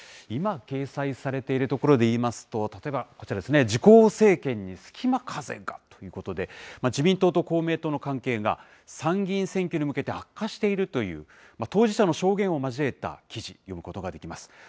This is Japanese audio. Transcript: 今、掲載されているところで言いますと、例えばこちらですね、自公政権にすきま風が？ということで、自民党と公明党の関係が、参議院選挙に向けて悪化しているという、当事者の証言を交えた記事、読むことができます。